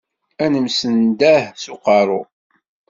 Ad nemsenḍaḥ s uqerru.